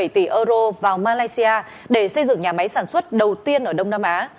bảy tỷ euro vào malaysia để xây dựng nhà máy sản xuất đầu tiên ở đông nam á